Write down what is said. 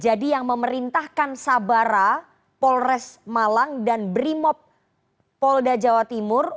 jadi yang memerintahkan sabara polres malang dan brimob polda jawa timur